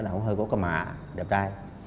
nó hơi có cái mạ đẹp trai